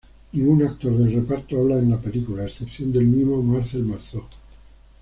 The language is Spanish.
Ningún actor del reparto habla en la película a excepción del mimo Marcel Marceau